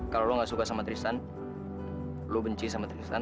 kalau lo gak suka sama tristan lo benci sama tristan